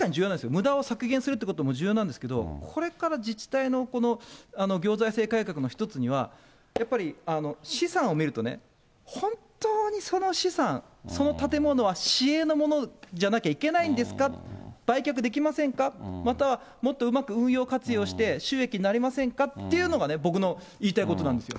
むだを削減するということも重要なんですけど、これから自治体のこの行財政改革の一つには、やっぱり資産を見るとね、本当にその資産、その建物は市営のものじゃなきゃいけないんですか、売却できませんか、またはもっと運用活用して、収益になりませんかっていうのがね、僕の言いたいことなんですよ。